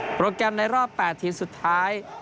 โปรแกรมในรอบ๘ทีมสุดท้าย